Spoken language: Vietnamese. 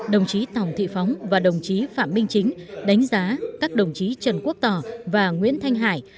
đồng chí tòng thị phóng và đồng chí phạm minh chính đánh giá các đồng chí trần quốc tỏ và nguyễn thanh hải